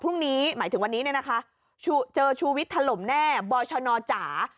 หมายถึงวันนี้เนี่ยนะคะเจอชูวิทย์ถล่มแน่บชนจ๋า